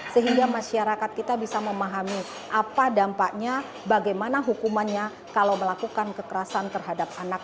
sehingga masyarakat kita bisa memahami apa dampaknya bagaimana hukumannya kalau melakukan kekerasan terhadap anak